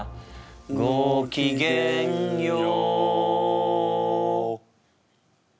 「ごきげんよう！」